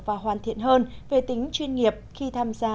và hoàn thiện hơn về tính chuyên nghiệp khi tham gia